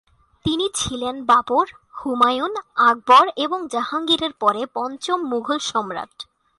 তিনি ছিলেন বাবর, হুমায়ুন, আকবর, এবং জাহাঙ্গীরের পরে পঞ্চম মুঘল সম্রাট।